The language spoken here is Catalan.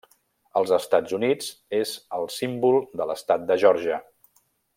Als Estats Units és el símbol de l'estat de Geòrgia.